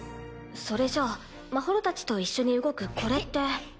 それじゃあまほろたちと一緒に動くこれって。